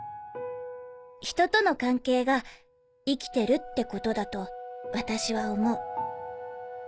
人との関係が生きてるってことだと私は思う。